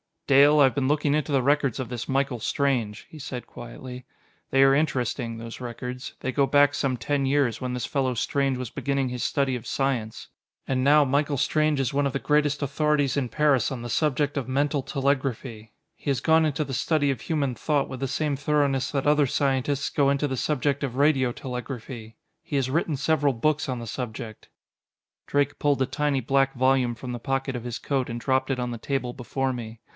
"Dale, I have been looking into the records of this Michael Strange," he said quietly. "They are interesting, those records. They go back some ten years, when this fellow Strange was beginning his study of science. And now Michael Strange is one of the greatest authorities in Paris on the subject of mental telegraphy. He has gone into the study of human thought with the same thoroughness that other scientists go into the subject of radio telegraphy. He has written several books on the subject." Drake pulled a tiny black volume from the pocket of his coat and dropped it on the table before me.